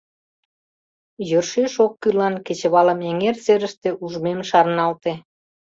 Йӧршеш оккӱллан кечывалым эҥер серыште ужмем шарналте.